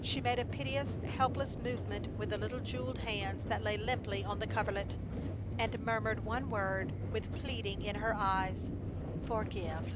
She made a piteous, helpless movement with the little jeweled hands that lay limply on the coverlet, and murmured one word, with pleading in her eyes: "Forgive!"